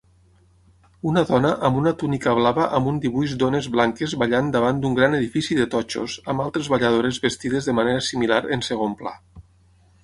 Una dona amb una túnica blava amb un dibuix d'ones blanques ballant davant d'un gran edifici de totxos amb altres balladores vestides de manera similar en segon pla